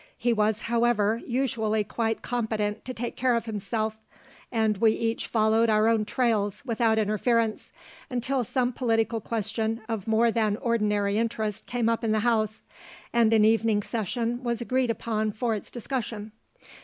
He was, however, usually quite competent to take care of himself, and we each followed our own trails without interference, until some political question of more than ordinary interest came up in the house, and an evening session was agreed upon for its discussion.